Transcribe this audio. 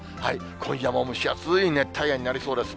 今夜も蒸し暑い熱帯夜になりそうです。